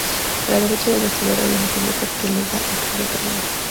A la derecha del bastidor hay una cubierta que le da acceso al cargador.